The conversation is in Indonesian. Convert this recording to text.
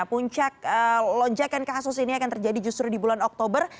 puncak lonjakan kasus ini akan terjadi justru di bulan oktober